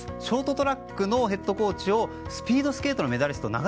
ショートトラックヘッドコーチをスピードスケートのメダリスト